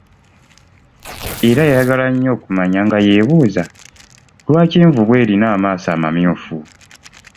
Era yayagala nnyo okumanya nga ye buuza, lwaki envubu erina amaaso amamyufu?